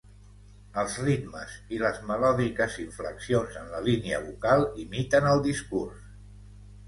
Els ritmes i les melòdiques inflexions en la línia vocal imiten el discurs.